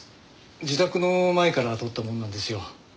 自宅の前から撮ったものなんですよ。